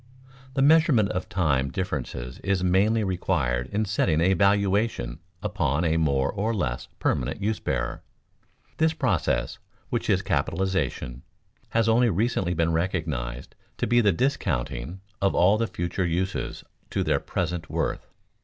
The measurement of time differences is mainly required in setting a valuation upon a more or less permanent use bearer. This process, which is capitalization, has only recently been recognized to be the discounting of all the future uses to their present worth.